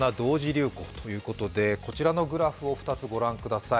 流行ということでこちらのグラフを２つご覧ください。